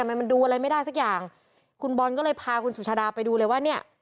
มันดูอะไรไม่ได้สักอย่างคุณบอลก็เลยพาคุณสุชาดาไปดูเลยว่าเนี่ย